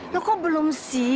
kok belum sih